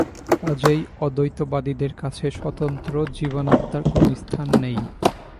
কাজেই অদ্বৈতবাদীদের কাছে স্বতন্ত্র জীবাত্মার কোন স্থান নাই।